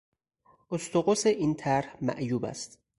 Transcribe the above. اسطقس این طرح معیوب است.